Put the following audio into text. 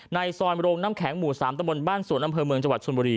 ในซอยโรงน้ำแข็งหมู่๓ตะบนบ้านสวนอำเภอเมืองจังหวัดชนบุรี